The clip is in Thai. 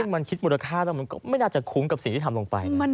มันคิดมูลค่าแล้วมันก็ไม่น่าจะคุ้มกับสิ่งที่ทำลงไป